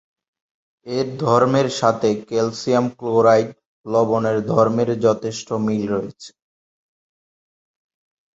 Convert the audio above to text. এর ধর্মের সাথে ক্যালসিয়াম ক্লোরাইড লবণের ধর্মের যথেষ্ট মিল রয়েছে।